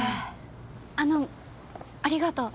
あのありがとう。